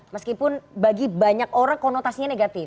meskipun bagi banyak orang konotasinya negatif